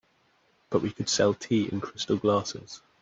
But we could sell tea in crystal glasses.